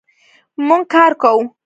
مونږ کار کوو